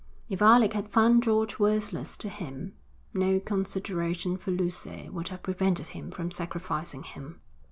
If Alec had found George worthless to him, no consideration for Lucy would have prevented him from sacrificing him.'